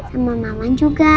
sama maman juga